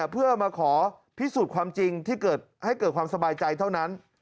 เพื่อมาขอพิสูจน์ความจริงที่ให้เกิดความสบายใจเท่านั้น